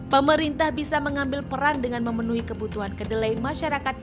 pemerintah bisa mengambil peran dengan memenuhi kebutuhan kedelai masyarakat